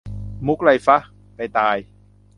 มุขไรฟะ ? ไปตาย